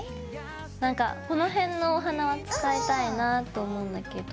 なんかこの辺のお花は使いたいなと思うんだけど。